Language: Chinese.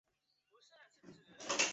羌人首领柯吾趁机反抗曹魏。